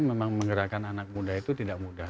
memang menggerakkan anak muda itu tidak mudah